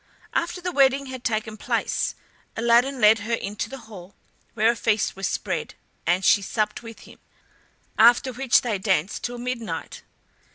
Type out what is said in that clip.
After the wedding had taken place, Aladdin led her into the hall, where a feast was spread, and she supped with him, after which they danced till midnight.